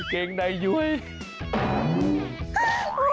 เกงในอยู่ไว้